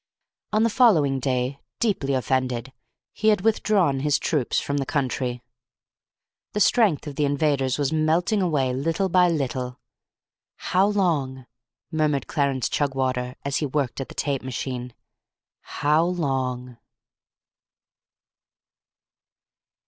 On the following day, deeply offended, he had withdrawn his troops from the country. The strength of the invaders was melting away little by little. "How long?" murmured Clarence Chugwater, as he worked at the tape machine. "How long?"